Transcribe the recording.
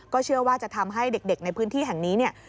เชื่อว่าจะทำให้เด็กในพื้นที่แห่งนี้เนี่ย